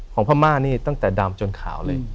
พม่านี่ตั้งแต่ดำจนขาวเลย